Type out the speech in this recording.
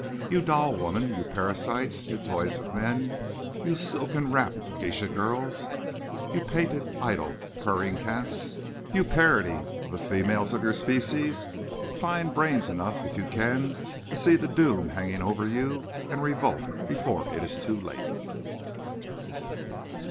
You doll women, you parasites, you toys of men, you silken wrapped geisha girls, you painted, idle, purring cats, you parody of the females of your species—find brains enough if you can to see the doom hanging over you and revolt before it is too late!"